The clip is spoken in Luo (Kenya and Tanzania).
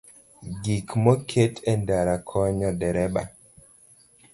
Gik moket e ndara konyo dereba